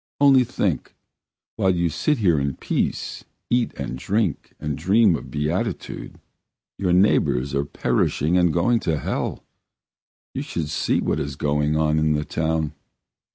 Only think, while you sit here in peace, eat and drink and dream of beatitude, your neighbours are perishing and going to hell. You should see what is going on in the town!